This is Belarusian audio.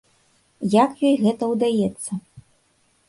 Як ёй гэта ўдаецца?